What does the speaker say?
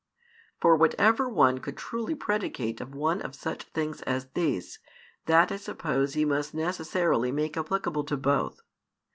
For whatever one could truly predicate of one of such things as these, that I suppose he must necessarily make applicable to both.